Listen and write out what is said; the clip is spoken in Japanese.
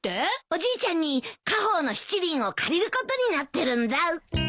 おじいちゃんに家宝の七輪を借りることになってるんだ。